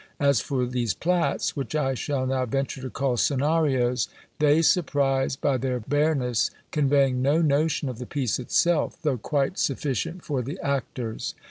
As for these "Platts," which I shall now venture to call "Scenarios," they surprise by their bareness, conveying no notion of the piece itself, though quite sufficient for the actors.